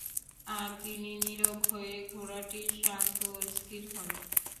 আর তিনি নীরব হলে ঘোড়াটি শান্ত ও স্থির হয়।